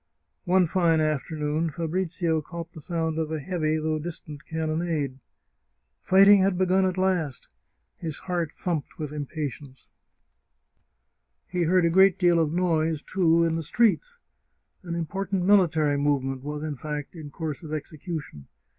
One fine afternoon Fabrizio caught the sound of a heavy though distant cannonade. Fighting had begun at last ! His heart thumped with impatience. He 32 The Chartreuse of Parma heard a great deal of noise, too, in the streets. An important miHtary movement was, in fact, in course of execution.